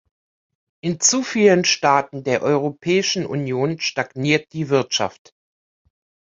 In zu vielen Staaten der Europäischen Union stagniert die Wirtschaft.